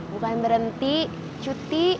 bukan berhenti cuti